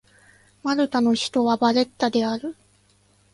マルタの首都はバレッタである